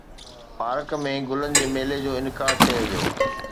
Park ۾ گلن جي ميلي جو انعقاد ڪيو ويو.